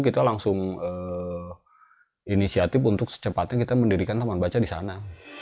kita langsung inisiatif untuk secepatnya kita mendirikan taman baca di sana